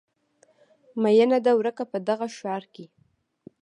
میینه ده ورکه په دغه ښار کې